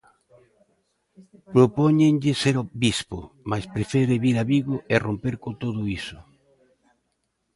Propóñenlle ser bispo, mais prefire vir a Vigo e romper con todo iso.